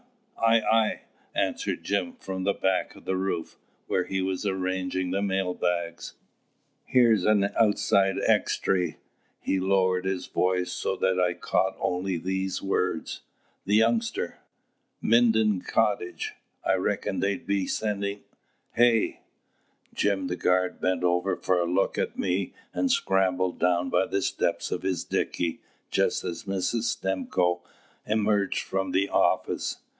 "Ay, ay!" answered Jim, from the back of the roof, where he was arranging the mail bags. "Here's an outside extry." He lowered his voice, so that I caught only these words: "The youngster ... Minden Cottage ... I reckoned they'd be sending " "Hey?" Jim the guard bent over for a look at me, and scrambled down by the steps of his dickey, just as Mrs. Stimcoe emerged from the office.